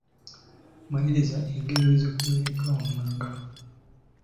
Maliriza engero ezikuweereddwa wammanga.